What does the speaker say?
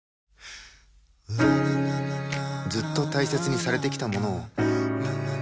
ずっと大切にされてきたものを